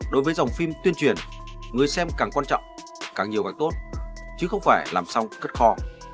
đối với dòng phim tuyên truyền người xem càng quan trọng càng nhiều càng tốt chứ không phải làm xong cất kho